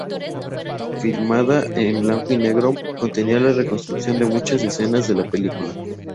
Filmada en blanco y negro, contenía la reconstrucción de muchas escenas de la película.